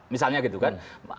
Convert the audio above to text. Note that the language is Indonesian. misalnya gitu kan